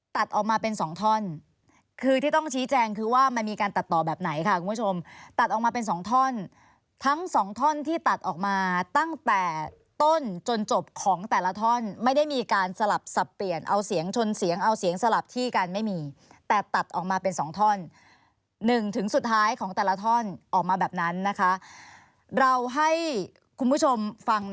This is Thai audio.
ตัดออกมาเป็นสองท่อนคือที่ต้องชี้แจงคือว่ามันมีการตัดต่อแบบไหนค่ะคุณผู้ชมตัดออกมาเป็นสองท่อนทั้งสองท่อนที่ตัดออกมาตั้งแต่ต้นจนจบของแต่ละท่อนไม่ได้มีการสลับสับเปลี่ยนเอาเสียงชนเสียงเอาเสียงสลับที่กันไม่มีแต่ตัดออกมาเป็นสองท่อนหนึ่งถึงสุดท้ายของแต่ละท่อนออกมาแบบนั้นนะคะเราให้คุณผู้ชมฟัง